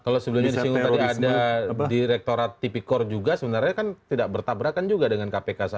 kalau sebelumnya disinggung tadi ada direktorat tipikor juga sebenarnya kan tidak bertabrakan juga dengan kpk